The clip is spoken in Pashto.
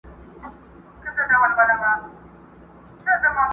ګل پر څانګه غوړېدلی باغ سمسور سو!!